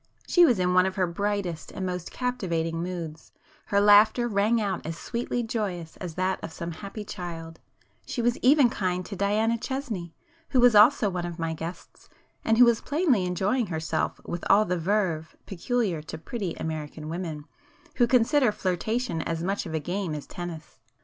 She was in one of her brightest and most captivating moods,—her laughter rang out as sweetly joyous as that of some happy child,—she was even kind to Diana Chesney, who was also one of my guests, and who was plainly enjoying herself with all the verve peculiar to pretty American women, who consider flirtation as much of a game as tennis.